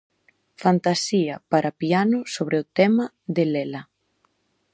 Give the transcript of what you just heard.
Fantasía para piano sobre o tema de Lela.